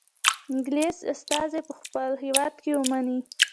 انګلیس استازی په خپل هیواد کې ومنئ.